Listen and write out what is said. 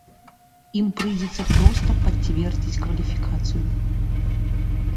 Ім прыйдзецца проста пацвердзіць кваліфікацыю.